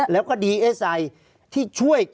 ภารกิจสรรค์ภารกิจสรรค์